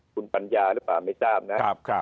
คุณปัญญาหรือเปล่าไม่ทราบนะ